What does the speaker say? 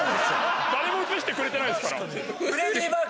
誰も映してくれてないっすから。